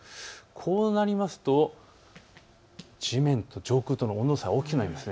こうなると地面と上空との温度差が大きくなります。